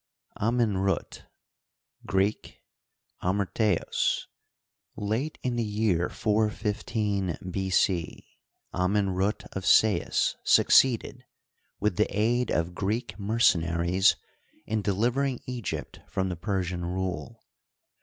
Amenrut (Greek, Amyrtceos), — Late in the year 415 B. C. Amenrut, of Sais, succeeded, with the aid of Greek mercenaries, in delivering Egypt from the Persian rule.